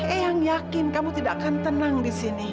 eyang yakin kamu tidak akan tenang di sini